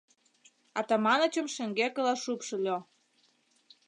Атаманычым шеҥгекыла шупшыльо.